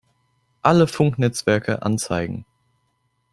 Alle Funknetzwerke anzeigen!